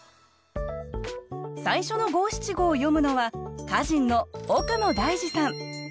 最初の５７５を詠むのは歌人の岡野大嗣さん。